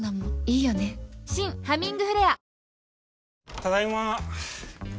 ただいま。